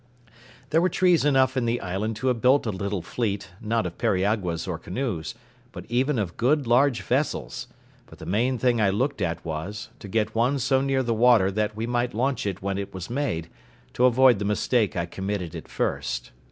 There were trees enough in the island to have built a little fleet, not of periaguas or canoes, but even of good, large vessels; but the main thing I looked at was, to get one so near the water that we might launch it when it was made, to avoid the mistake I committed at first.